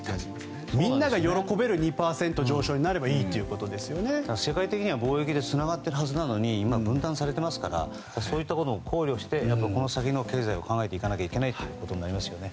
みんなが喜ぶ２％上昇になれば世界的には貿易でつながっているはずなのに今、分断されていますからそういったことを考慮してこの先の経済を考えていかなきゃいけませんね。